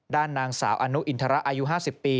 ด้านนางสาวอนุอินทรอายุ๕๐ปี